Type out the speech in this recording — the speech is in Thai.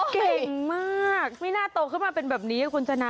เก่งมากไม่น่าโตขึ้นมาเป็นแบบนี้คุณชนะ